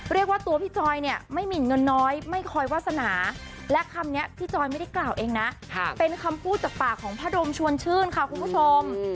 เรียกว่าตัวพี่จอยเนี่ยไม่หมินเงินน้อยไม่คอยวาสนาและคำนี้พี่จอยไม่ได้กล่าวเองนะเป็นคำพูดจากปากของพ่อดมชวนชื่นค่ะคุณผู้ชม